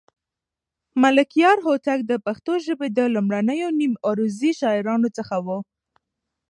ملکیار هوتک د پښتو ژبې د لومړنيو نیم عروضي شاعرانو څخه و.